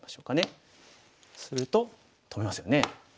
すると止めますよね。